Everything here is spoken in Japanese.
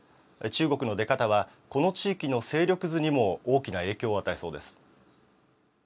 中国の出方は、この地域の勢力図にも大きな影響を与えそうです。